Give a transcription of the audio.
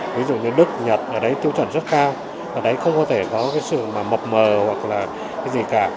ví dụ như đức nhật ở đấy tiêu chuẩn rất cao ở đấy không có thể có cái sự mà mập mờ hoặc là cái gì cả